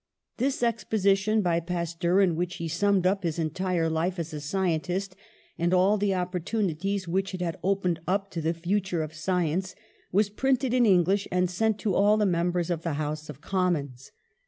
This exposition by Pas teur, in which he summed up his entire life as a scientist, and all the opportunities which it had opened up to the future of science, was printed in English and sent to all the members of the House of Commons.